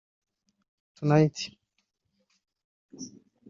Tonight